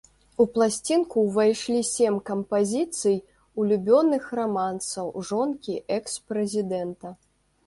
У пласцінку ўвайшлі сем кампазіцый, улюбёных рамансаў жонкі экс-прэзідэнта.